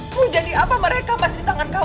mau jadi apa mereka masih di tangan kamu